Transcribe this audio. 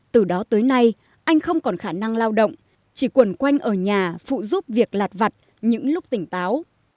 từ đó tới nay anh không còn khả năng lao động chỉ quần quanh ở nhà phụ giúp việc lạt vặt những lúc tỉnh táo